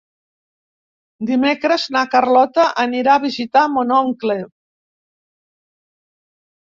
Dimecres na Carlota anirà a visitar mon oncle.